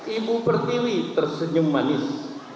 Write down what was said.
ibu pertiwi tersenyum manis